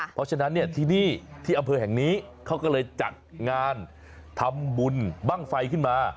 เพราะฉะนั้นเนี่ยที่นี่ที่อำเภอแห่งนี้เขาก็เลยจัดงานทำบุญบ้างไฟขึ้นมา